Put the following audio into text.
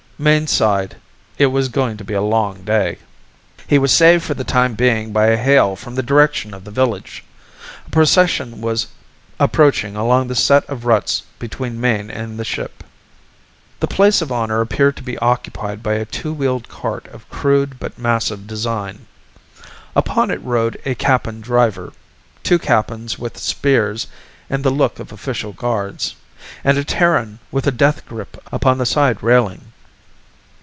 Mayne sighed. It was going to be a long day. He was saved for the time being by a hail from the direction of the village. A procession was approaching along the set of ruts between Mayne and the ship. The place of honor appeared to be occupied by a two wheeled cart of crude but massive design. Upon it rode a Kappan driver, two Kappans with spears and the look of official guards, and a Terran with a death grip upon the side railing.